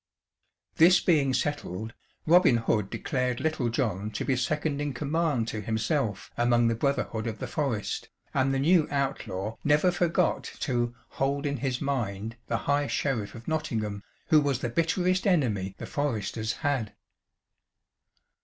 This being settled, Robin Hood declared Little John to be second in command to himself among the brotherhood of the forest, and the new outlaw never forgot to "hold in his mind" the High Sheriff of Nottingham, who was the bitterest enemy the foresters had.